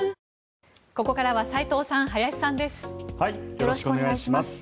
よろしくお願いします。